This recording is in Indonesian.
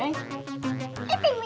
eh siapa ini